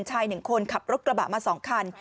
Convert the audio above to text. ชายหนึ่งคนขับรถกระบะมาสองคัน